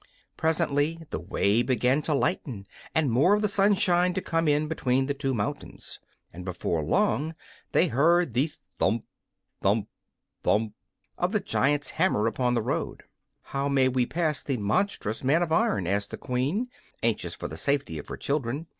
Presently the way began to lighten and more of the sunshine to come in between the two mountains. And before long they heard the "thump! thump! thump!" of the giant's hammer upon the road. "How may we pass the monstrous man of iron?" asked the Queen, anxious for the safety of her children.